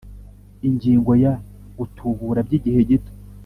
Ingingo ya Gutubura by’ igihe gito